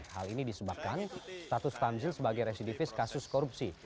hal ini disebabkan status tamzil sebagai residivis kasus korupsi